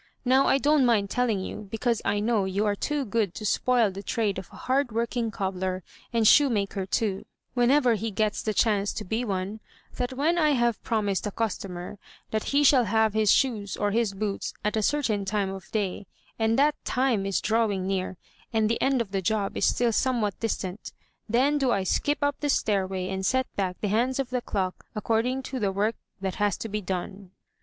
Now, I don't mind telling you, because I know you are too good to spoil the trade of a hard working cobbler — and shoemaker too, whenever he gets the chance to be one — that when I have promised a customer that he shall have his shoes or his boots at a certain time of day, and that time is drawing 261 M Y BOOK HOUSE near, and the end of the job is still somewhat distant, then do I skip up the stairway and set back the hands of the clock according to the work that has to be done.